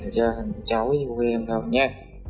cho thằng cháu với cô em đó nhé